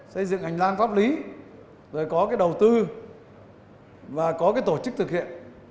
xây dựng ảnh lan pháp lý rồi có đầu tư và có tổ chức thực hiện